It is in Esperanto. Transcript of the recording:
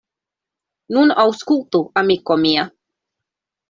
Nun aŭskultu, amiko mia.